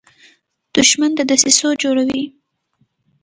دښمن د دسیسو جوړه وي